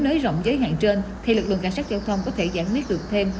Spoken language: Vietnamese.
với rộng giới hạn trên thì lực lượng cảnh sát giao thông có thể giảm miết được thêm